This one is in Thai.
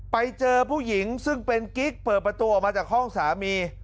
ไปเจอผู้หญิงซึ่งเป็นกิ๊กเปิดประตูออกมาจากห้องสามี